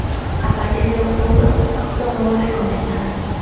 A partir de outubro, todo volve comezar.